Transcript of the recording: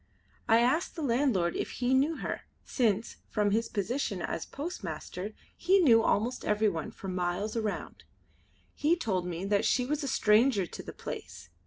I asked the landlord if he knew her, since, from his position as postmaster he knew almost everyone for miles around. He told me that she was a stranger to the place.